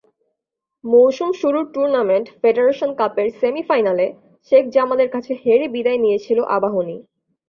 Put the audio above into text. মৌসুম শুরুর tournament federation কাপের সেমিফাইনালে শেখ জামালের কাছে হেরে বিদায় নিয়েছিল আবাহনী।